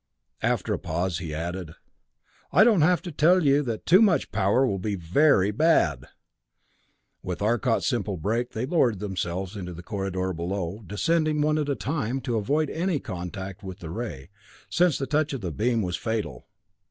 After a pause he added, "I don't have to tell you that too much power will be very bad!" With Arcot's simple brake, they lowered themselves into the corridor below, descending one at a time, to avoid any contact with the ray, since the touch of the beam was fatal.